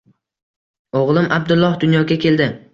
Oʻgʻlim Abdulloh dunyoga keldi.